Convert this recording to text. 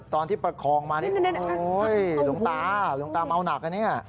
ตอนที่ประคองมานี่โอ้โฮหลวงตาเหมาหนักอ่ะเนี่ย